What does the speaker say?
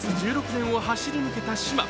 １６年を走り抜けた嶋。